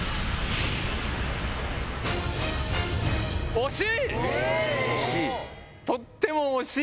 惜しい？